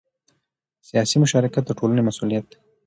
سیاسي مشارکت د ټولنې مسؤلیت دی